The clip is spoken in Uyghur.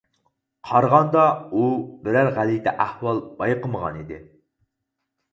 قارىغاندا ئۇ بىرەر غەلىتە ئەھۋال بايقىمىغان ئىدى.